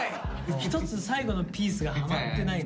一つ最後のピースがはまってないな。